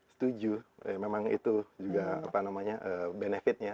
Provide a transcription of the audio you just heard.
setuju memang itu juga benefitnya